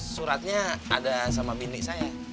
suratnya ada sama bini saya